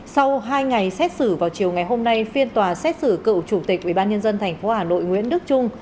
sau hai ngày xét xử vào chiều ngày hôm nay phiên tòa xét xử cựu chủ tịch ubnd tp hà nội nguyễn đức trung